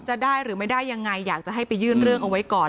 จะได้หรือไม่ได้ยังไงอยากจะให้ไปยื่นเรื่องเอาไว้ก่อน